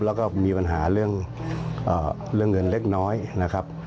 แล้วก็มีปัญหาเรื่องเงินเล็กน้อยนะครับ